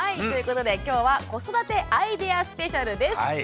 ということで今日は「子育てアイデアスペシャル」です。